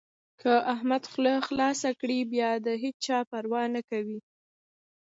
که احمد خوله خلاصه کړي؛ بيا د هيچا پروا نه کوي.